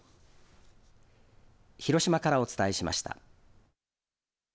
広島からお伝えしました。